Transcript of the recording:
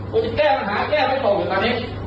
ผมจะแก้ปัญหาแก้ไปตรงอยู่ตอนนี้